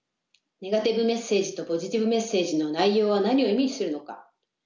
ネガティブメッセージとポジティブメッセージの内容は何を意味するのか？